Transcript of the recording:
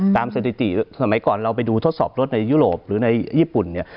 สถิติสมัยก่อนเราไปดูทดสอบรถในยุโรปหรือในญี่ปุ่นเนี่ย